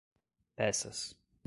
peças